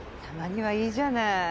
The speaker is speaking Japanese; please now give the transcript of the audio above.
たまにはいいじゃない。